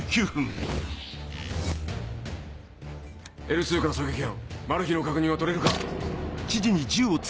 Ｌ２から狙撃班マル被の確認は取れるか？